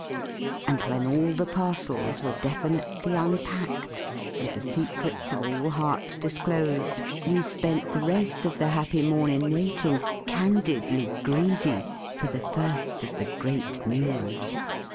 And when all the parcels were defi nitely unpacked, and the secrets of all hearts disclosed, we spent the rest of the happy morn in waiting, candidly [21 THE FEAST OF ST FRIEND greedy, for the first of the great meals.